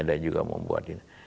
dan juga membuat